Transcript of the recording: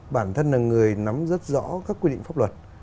bản thân là người nắm rất rõ các quy định pháp luật